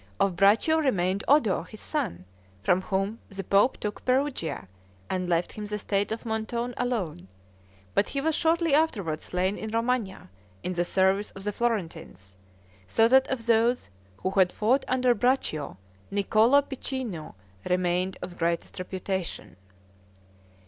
Of Braccio remained Oddo, his son, from whom the pope took Perugia, and left him the state of Montone alone; but he was shortly afterward slain in Romagna, in the service of the Florentines; so that of those who had fought under Braccio, Niccolo Piccinino remained of greatest reputation.